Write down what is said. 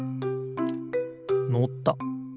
のった。